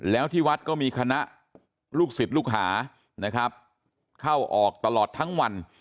แล้วที่วัดก็มีคณะลูกศิษย์ลูกหานะครับเข้าออกตลอดทั้งวัน